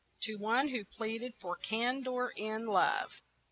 TO ONE WHO PLEADED FOR CANDOUR IN LOVE.